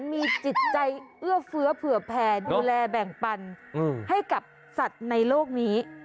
มีจิตใจเอื้อเฟื้อเผื่อแผ่ดูแลแบ่งปันให้กับสัตว์ในโลกนี้